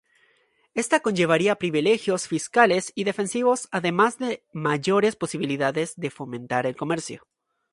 Esta conllevaría privilegios fiscales y defensivos, además de mayores posibilidades de fomentar el comercio.